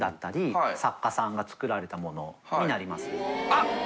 あっ！